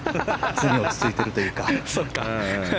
常に落ち着いているというか。